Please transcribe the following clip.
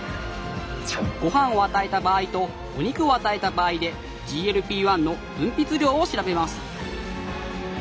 ごはんを与えた場合とお肉を与えた場合でＧＬＰ−１の分泌量を調べます